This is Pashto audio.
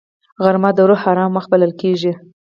غرمه د روح آرام وخت بلل کېږي